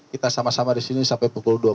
kita sama sama disini sampai pukul dua puluh